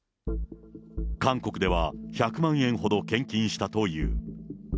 韓国では、１００万円ほど献金したという。